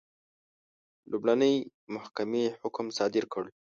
لومړنۍ محکمې حکم صادر کړ.